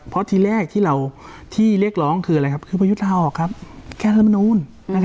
เพราะที่แรกที่เรียกร้องคืออะไรครับคือประยุทธาหรอกครับแค่เรื่องนู้น